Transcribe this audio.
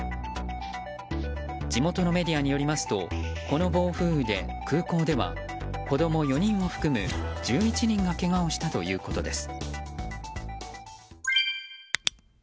地元のメディアによりますとこの暴風雨で空港では子供４人を含む１１人がけがをしたということです。